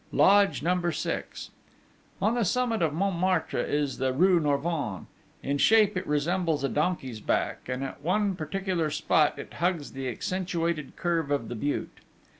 Lodge Number 6 On the summit of Montmartre is the rue Norvins. In shape it resembles a donkey's back, and at one particular spot it hugs the accentuated curve of the Butte.